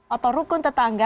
atau rukun tetap